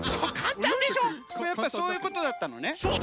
これやっぱそういうことだったのね。